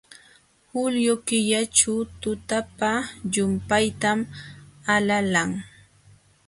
Julio killaćhu tutapa llumpaytam alalan.